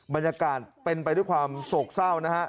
บรรยากาศเป็นไปด้วยความโศกเศร้านะฮะ